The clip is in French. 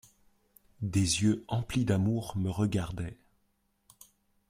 Des yeux emplis d’amour me regardaient.